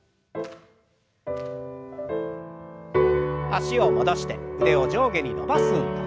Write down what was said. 脚を戻して腕を上下に伸ばす運動。